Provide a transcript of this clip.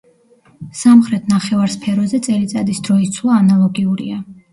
სამხრეთ ნახევარსფეროზე წელიწადის დროის ცვლა ანალოგიურია.